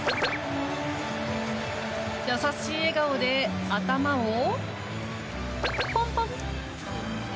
優しい笑顔で頭をポンポン。